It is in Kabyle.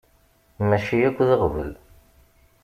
Mačči akk d aɣbel.